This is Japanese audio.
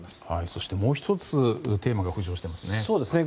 そしてもう１つテーマがありますね。